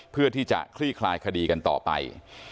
เพื่อที่จะคลี่คลายคดีกันต่อไป